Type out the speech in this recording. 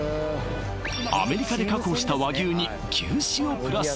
アメリカで確保したＷＡＧＹＵに牛脂をプラス